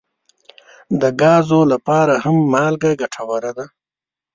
د ګازو لپاره هم مالګه ګټوره ده.